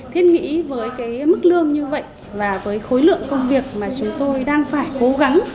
thiết nghĩ với cái mức lương như vậy và với khối lượng công việc mà chúng tôi đang phải cố gắng